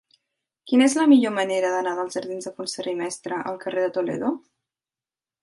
Quina és la millor manera d'anar dels jardins de Fontserè i Mestre al carrer de Toledo?